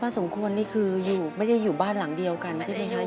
ป้าสงครวญที่คือไม่ได้อยู่บ้านหลังเดียวกันใช่ไหมครับ